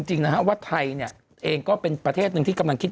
จริงนะฮะว่าไทยเนี่ยเองก็เป็นประเทศหนึ่งที่กำลังคิด